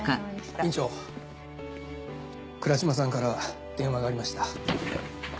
院長倉嶋さんから電話がありました。